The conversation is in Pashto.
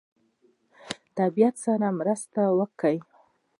طبیعت سره مرسته وکړه.